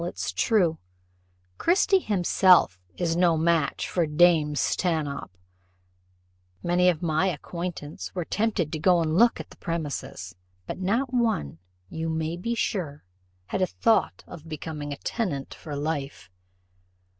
It's true, Christie himself is no match for dame Stanhope. Many of my acquaintance were tempted to go and look at the premises, but not one, you may be sure, had a thought of becoming a tenant for life."